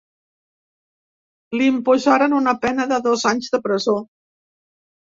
Li imposaren una pena de dos anys de presó.